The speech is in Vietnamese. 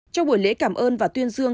trong buổi lễ cảm ơn và tuyên dụng